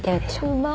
うまい。